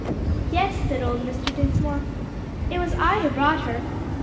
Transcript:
"Yes," said old Mr. Dinsmore. "It was I who brought her.